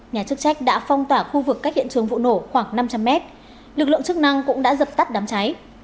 nhà chức trách đã phong tỏa khu vực cách hiện trường vụ nổ khoảng năm trăm linh mét lực lượng chức năng cũng đã dập tắt đám cháy